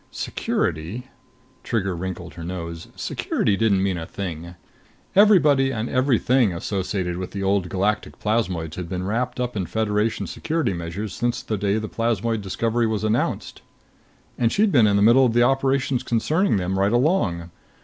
Security.... Trigger wrinkled her nose. Security didn't mean a thing. Everybody and everything associated with the Old Galactic plasmoids had been wrapped up in Federation security measures since the day the plasmoid discovery was announced. And she'd been in the middle of the operations concerning them right along.